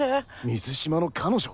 水嶋の彼女？